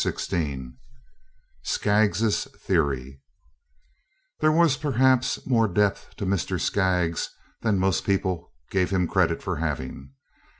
XVI SKAGGS'S THEORY There was, perhaps, more depth to Mr. Skaggs than most people gave him credit for having.